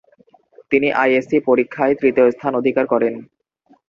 তিনি I S C পরীক্ষায় তৃতীয় স্থান অধিকার করেন।